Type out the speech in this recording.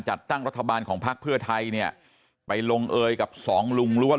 จัดตั้งรัฐบาลของพักเพื่อไทยเนี่ยไปลงเอยกับสองลุงหรือว่า